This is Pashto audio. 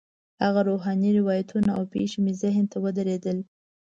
هغه روحاني روایتونه او پېښې مې ذهن ته ودرېدل.